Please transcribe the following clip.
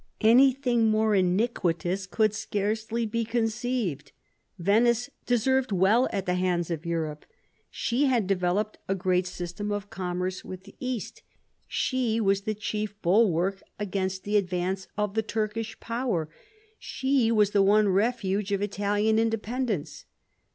Anything more iniquitous could scarcely be conceived. Venice deserved well at the hands of Europe. She had developed a great system of commerce with the East ; I THE STATE OF EUROPE 9 she was the chief bulwark against the advance of the Turkish power; she was the one refuge of Italian independence.